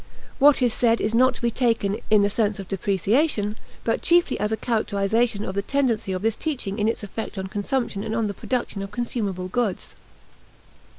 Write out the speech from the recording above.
What is said is not to be taken in the sense of depreciation, but chiefly as a characterization of the tendency of this teaching in its effect on consumption and on the production of consumable goods.